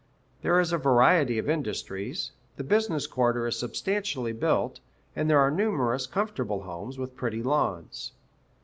There is a variety of industries, the business quarter is substantially built, and there are numerous comfortable homes with pretty lawns.